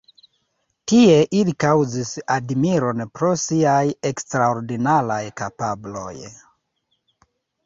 Tie, ili kaŭzis admiron pro siaj eksterordinaraj kapabloj.